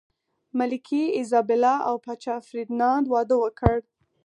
ملکې ایزابلا او پاچا فردیناند واده وکړ.